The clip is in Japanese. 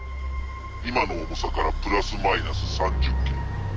今の重さからプラスマイナス３０ｋｇ。